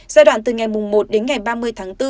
giai đoạn từ ngày một đến ngày ba mươi tháng bốn